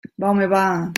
Va, home, va.